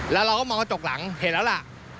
แล้วเราก็มองกระจกหลังเห็นแล้วล่ะ